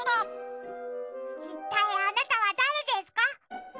いったいあなたはだれですか？